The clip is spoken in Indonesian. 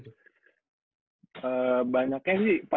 banyaknya sih pada ngobrolinnya itu high fun kak